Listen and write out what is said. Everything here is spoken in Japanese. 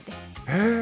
へえ！